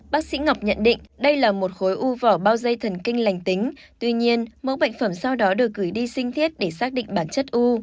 bác sĩ ngọc nhận định đây là một khối u vỏ bao dây thần kinh lành tính tuy nhiên mẫu bệnh phẩm sau đó được gửi đi sinh thiết để xác định bản chất u